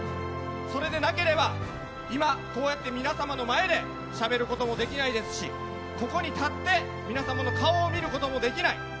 それでなければ今、こうやって皆様の前でしゃべることもできないですしここに立って皆様の顔を見ることもできない。